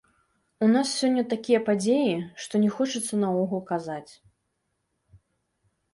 У нас сёння такія падзеі, што не хочацца наогул казаць.